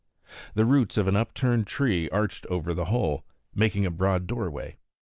The roots of an upturned tree arched over the hole, making a broad doorway.